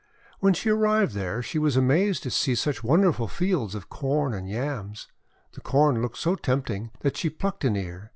When she arrived there, she was amazed to see such wonderful fields of Corn and Yams. The Corn looked so tempting that she plucked an ear.